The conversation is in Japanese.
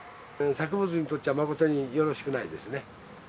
作物にとっちゃ、誠によろしくないですね。